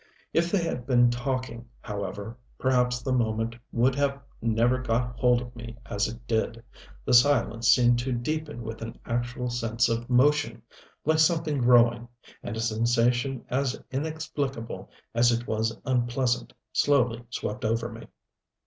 If they had been talking, however, perhaps the moment would have never got hold of me as it did. The silence seemed to deepen with an actual sense of motion, like something growing, and a sensation as inexplicable as it was unpleasant slowly swept over me.